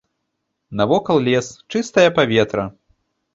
Навокал лес, чыстае паветра.